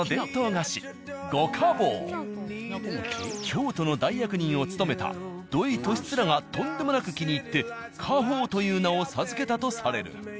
京都の大役人を務めた土井利位がとんでもなく気に入って家宝という名を授けたとされる。